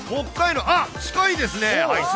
近いですね。